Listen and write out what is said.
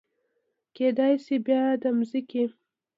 کیدای شي بیا د مځکې